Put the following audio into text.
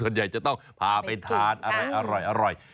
ส่วนใหญ่จะต้องพาไปทานอะไรอร่อย